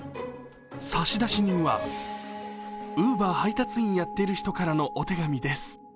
差出人は「ウーバー配達員やってる人からのお手紙です」。